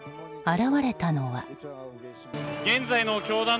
現れたのは。